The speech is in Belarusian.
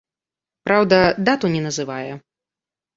Праўда, дату не называе.